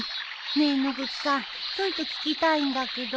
ねえ野口さんちょいと聞きたいんだけど。